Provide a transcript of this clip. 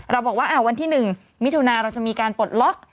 เราบอกว่าวันที่๑มิถุนาเราจะมีการปลดล็อก